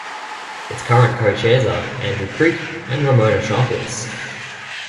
Its current Co-chairs are Andrew Creak and Ramona Sharples.